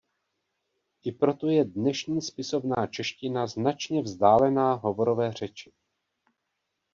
I proto je dnešní spisovná čeština značně vzdálená hovorové řeči.